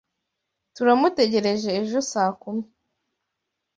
Turamutegereje ejo saa kumi.